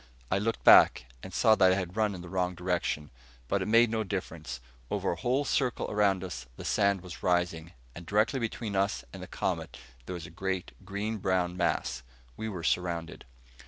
I looked back, and saw that I had run in the wrong direction. But it made no difference. Over a whole circle around us the sand was rising, and directly between us and the Comet there was a great green brown mass. We were surrounded.